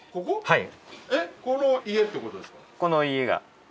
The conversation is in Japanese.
はい。